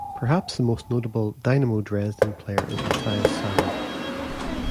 Perhaps the most notable Dynamo Dresden player is Matthias Sammer.